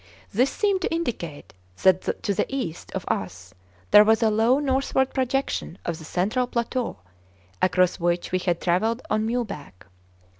This seemed to indicate that to the east of us there was a low northward projection of the central plateau across which we had travelled on mule back.